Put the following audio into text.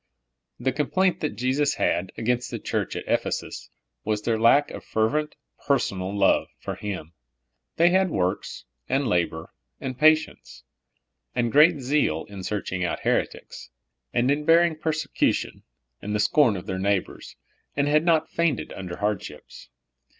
The complaint that Jesus had against the Church at Ephesus was their lack of fervent, personal love for Him ; they had '' works' ' and '' labor '' and '' patience, '' and great zeal in searching out heretics, and in bearing persecution and the scorn of their neighbors, and had not fainted under hardships.